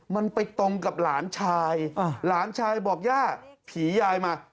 มันไปตรงกับหลานชายหลานชายบอกย่าผียายมา